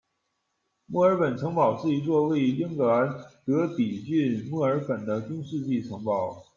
墨尔本城堡是一座位于英格兰德比郡墨尔本的中世纪城堡。